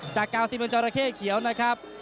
จากเกาสินบนจรเข้เขียวนะครับ